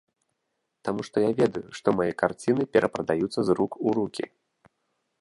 Таму што я ведаю, што мае карціны перапрадаюцца з рук у рукі!